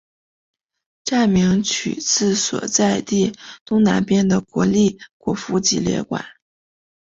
站名取自所在地东南边的国立国父纪念馆。